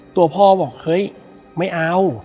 ตัวพ่อบอกเฮ้ยไม่เอา